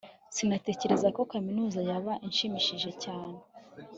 Sinatekerezaga ko kaminuza yaba ishimishije cyane